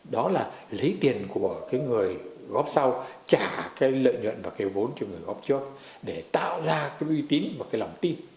đó là lấy tiền của cái người góp sau trả cái lợi nhuận và cái vốn cho người góp trước để tạo ra cái uy tín và cái lòng tin